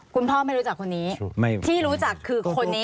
ไม่รู้จักคนนี้ที่รู้จักคือคนนี้